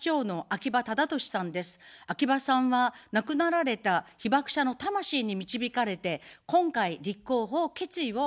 秋葉さんは、亡くなられた被爆者の魂に導かれて今回立候補を決意をいたしました。